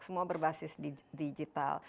semua berbasis digital